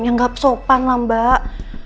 yang gak sopan lah mbak